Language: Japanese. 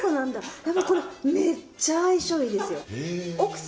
これめっちゃ相性いいですよ。